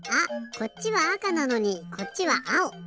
こっちはあかなのにこっちはあお！